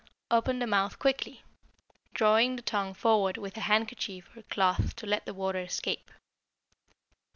Open the mouth quickly, drawing the tongue forward with handkerchief or cloth to let the water escape.